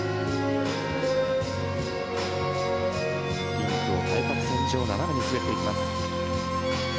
リンクを対角線上斜めに滑っていきます。